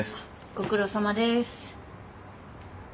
ご苦労さまです。